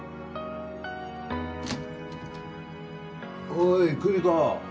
・おい久美子。